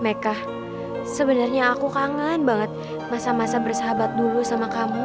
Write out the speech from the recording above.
mereka sebenarnya aku kangen banget masa masa bersahabat dulu sama kamu